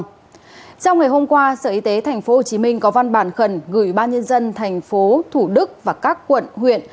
trong ngày hôm qua sở y tế tp hcm có văn bản khẩn gửi ba nhân dân tp thủ đức và các quận huyện